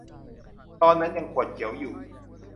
ตอนนั้นยังขวดเขียวอยู่